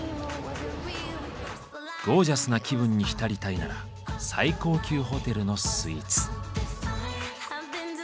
ゴージャスな気分に浸りたいなら最高級ホテルのスイーツ。